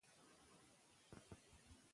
لوبې د مغز د فعالیت اندازه معلوموي.